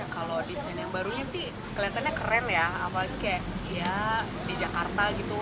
kalau desain yang barunya sih kelihatannya keren ya apalagi kayak di jakarta gitu